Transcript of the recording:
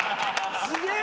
すげえ！